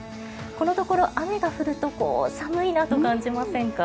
このところ雨が降ると寒いなと感じませんか？